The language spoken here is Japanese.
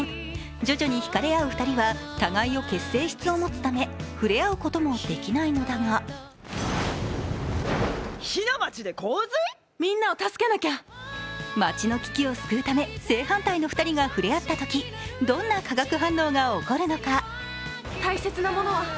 徐々に引かれ合う２人は、互いを消す性質を持つため、触れ合うこともできないのだが街の危機を救うため、正反対の２人が触れ合ったときどんな化学反応が起こるのか。